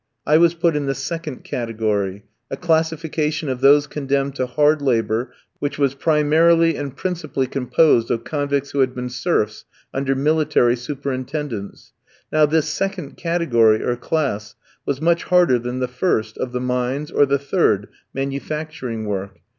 I was put in the second category, a classification of those condemned to hard labour, which was primarily and principally composed of convicts who had been serfs, under military superintendence; now this second category, or class, was much harder than the first (of the mines) or the third (manufacturing work).